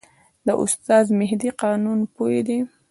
دا استاد مهدي قانونپوه دی.